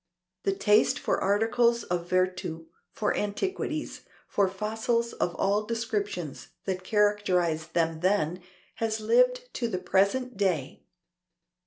The taste for articles of vertu for antiquities for fossils of all descriptions that characterized them then, has lived to the present day.